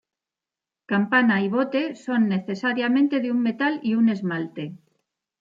Campana y bote son necesariamente de un metal y un esmalte.